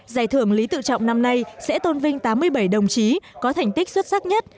giải thưởng lý tự trọng năm nay sẽ tôn vinh tám mươi bảy đồng chí có thành tích xuất sắc nhất